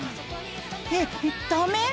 えっダメ？